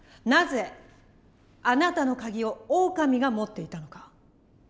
なぜあなたのカギをオオカミが持っていたのか？